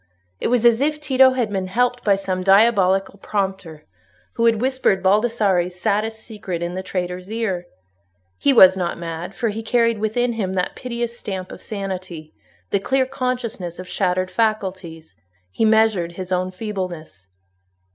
It was as if Tito had been helped by some diabolical prompter, who had whispered Baldassarre's saddest secret in the traitor's ear. He was not mad; for he carried within him that piteous stamp of sanity, the clear consciousness of shattered faculties; he measured his own feebleness.